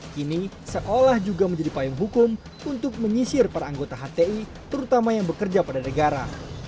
kini seolah juga menjadi payung hukum untuk menyisir para anggota hti terutama yang bekerja pada negara